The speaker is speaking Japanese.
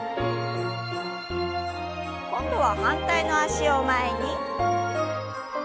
今度は反対の脚を前に。